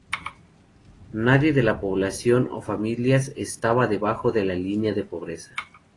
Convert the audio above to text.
Nadie de la población o familias estaba debajo de la línea de pobreza.